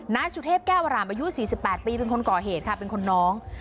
นายสุเทพแก้วอารามอายุ๔๘ปีเป็นคนก่อเหตุค่ะเป็นคนน้อง